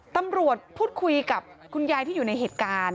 ตำรวจพูดคุยกับคุณยายที่อยู่ในเหตุการณ์